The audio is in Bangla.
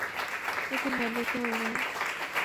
এখন ব্যান্ডের কী হবে ভাইয়া?